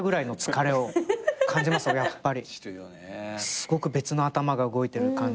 すごく別の頭が動いてる感じで。